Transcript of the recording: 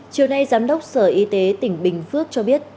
chiều nay giám đốc sở y tế tỉnh bình phước cho biết